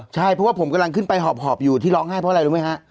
ใช่เพราะว่าผมกำลังขึ้นไปหอบอยู่ที่ร้องไห้เพราะอะไรรู้ไหมฮะ